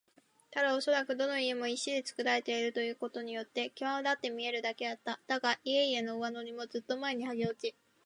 ただおそらくどの家も石でつくられているということによってきわだって見えるだけだった。だが、家々の上塗りもずっと前にはげ落ち、